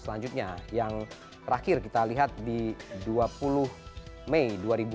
selanjutnya yang terakhir kita lihat di dua puluh mei dua ribu dua puluh